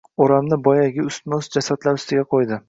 O’ramni boyagi ustma-ust jasadlar ustiga qo‘ydi.